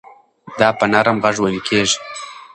دا په نرم غږ وېل کېږي.